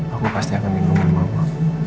aku pasti akan menunggu mama